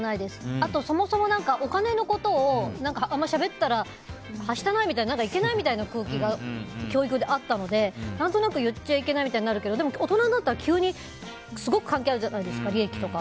あとそもそもお金のことをあんまりしゃべったらはしたないみたいないけないみたいな空気が教育であったので何となく言っちゃいけないみたくなるけど、大人になると急にすごく関係あるじゃないですか、利益とか。